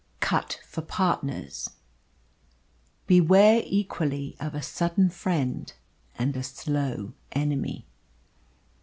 CUT FOR PARTNERS. Beware equally of a sudden friend and a slow enemy.